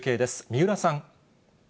三浦さん。